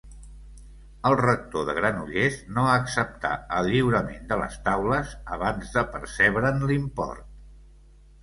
El rector de Granollers no acceptà el lliurament de les taules abans de percebre'n l'import.